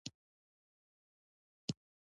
دلته له قدرت څخه منظور حکومت نه دی